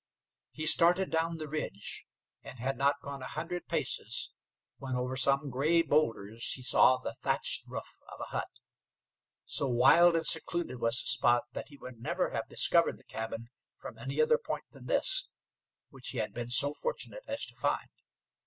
He started down the ridge, and had not gone a hundred paces when over some gray boulders he saw the thatched roof of a hut. So wild and secluded was the spot, that he would never have discovered the cabin from any other point than this, which he had been so fortunate as to find.